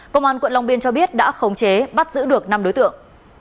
công an quận long biên cho biết đã khống chế bắt giữ được năm đối tượng